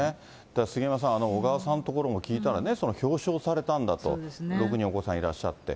だから杉山さん、小川さんのところも聞いたらね、表彰されたんだと、６人お子さんいらっしゃって。